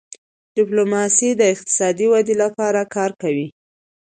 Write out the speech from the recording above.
ډيپلوماسي د اقتصادي ودې لپاره کار کوي.